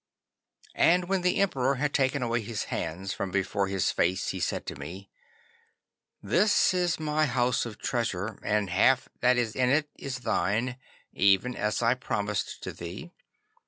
'And when the Emperor had taken away his hands from before his face he said to me: "This is my house of treasure, and half that is in it is thine, even as I promised to thee.